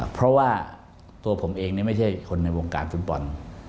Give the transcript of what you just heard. เพราะว่าตัวผมเองไม่ใช่คนในวงการฟุตบอล